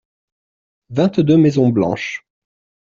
Vingt-deux maisons blanches.